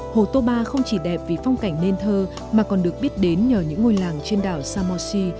hồ toba không chỉ đẹp vì phong cảnh nền thơ mà còn được biết đến nhờ những ngôi làng trên đảo samosi